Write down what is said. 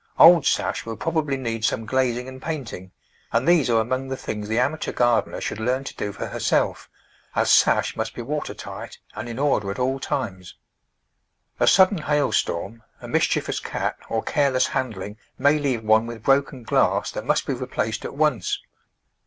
Old sash will probably need some glazing and painting, and these are among the things the amateur gardener should learn to do for herself, as sash must be water tight and in order at all times. A sudden hail storm, a mischievous cat or careless handling may leave one with broken glass that must be replaced at once.